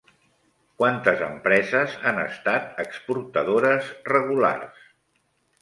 Quantes empreses han estat exportadores regulars?